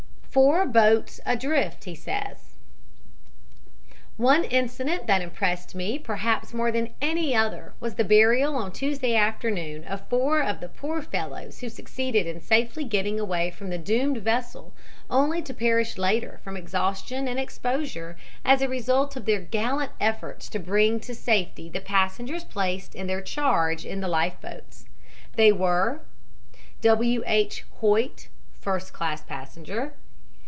FOUR BOATS ADRIFT HE SAYS "One incident that impressed me perhaps more than any other was the burial on Tuesday afternoon of four of the poor fellows who succeeded in safely getting away from the doomed vessel only to perish later from exhaustion and exposure as a result of their gallant efforts to bring to safety the passengers placed in their charge in the life boats. They were: "W. H. Hoyte, Esq., first class passenger.